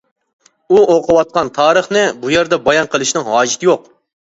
ئۇ ئوقۇۋاتقان تارىخنى بۇ يەردە بايان قىلىشنىڭ ھاجىتى يوق.